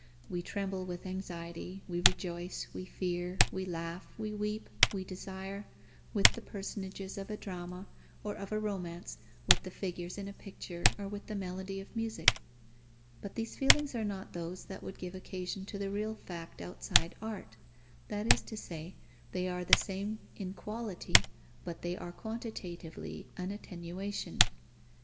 We tremble with anxiety, we rejoice, we fear, we laugh, we weep, we desire, with the personages of a drama or of a romance, with the figures in a picture, or with the melody of music. But these feelings are not those that would give occasion to the real fact outside art; that is to say, they are the same in quality, but they are quantitively an attenuation.